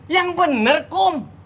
yang bener kum